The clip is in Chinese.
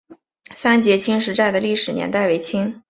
三捷青石寨的历史年代为清。